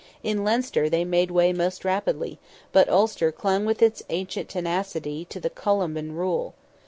In Leinster they made way most rapidly; but Ulster clung with its ancient tenacity to the Columban rule.